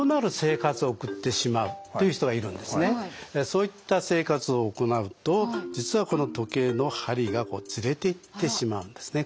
そういった生活を行うと実はこの時計の針がこうズレていってしまうんですね